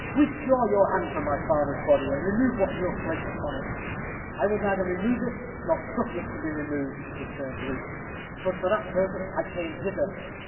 "Withdraw your hand from my father's body, and remove what you have placed upon it." "I will neither remove it nor suffer it to be removed," returned Luke. "'Twas for that purpose I came hither.